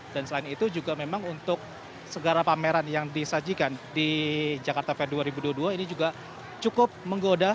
dan selain itu juga memang untuk segara pameran yang disajikan di jakarta fair dua ribu dua puluh dua ini juga cukup menggoda